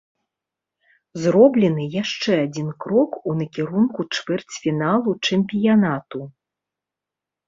Зроблены яшчэ адзін крок у накірунку чвэрцьфіналу чэмпіянату.